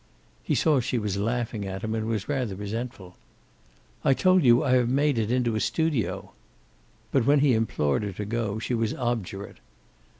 He saw she was laughing at him and was rather resentful. "I told you I have made it into a studio." But when he implored her to go, she was obdurate.